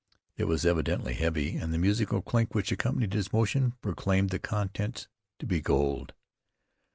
It was evidently heavy, and the musical clink which accompanied his motion proclaimed the contents to be gold.